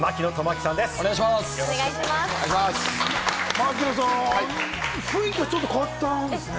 槙野さん、雰囲気がちょっと変わりましたね。